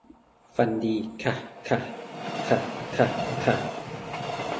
ฝันดีค่ะค่ะ ค่ะ ค่ะ ค่ะ